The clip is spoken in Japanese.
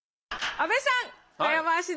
阿部さん！